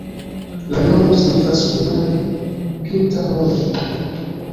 La nomo signifas hungare pinta-holmo.